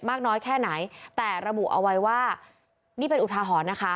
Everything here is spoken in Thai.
มากน้อยแค่ไหนแต่ระบุเอาไว้ว่านี่เป็นอุทาหรณ์นะคะ